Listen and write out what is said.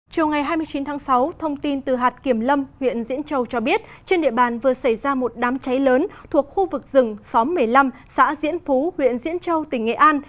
chiều ngày hai mươi chín tháng sáu thông tin từ hạt kiểm lâm huyện diễn châu cho biết trên địa bàn vừa xảy ra một đám cháy lớn thuộc khu vực rừng xóm một mươi năm xã diễn phú huyện diễn châu tỉnh nghệ an